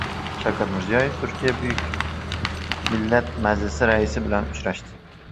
Shavkat Mirziyoyev Turkiya Buyuk millat majlisi raisi bilan uchrashdi